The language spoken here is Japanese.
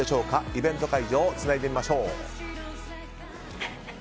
イベント会場につないでみましょう。